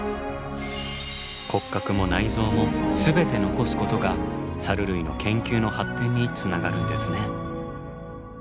骨格も内臓も全て残すことがサル類の研究の発展につながるんですね。